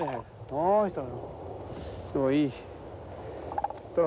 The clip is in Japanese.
どうしたのよ？